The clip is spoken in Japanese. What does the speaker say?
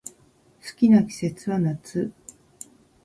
好きな季節は夏